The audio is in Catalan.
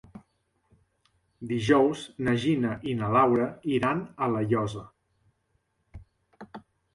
Dijous na Gina i na Laura iran a La Llosa.